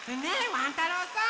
ワン太郎さん。